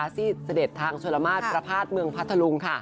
ที่เสด็จทางประภาสเมืองพัทธรุง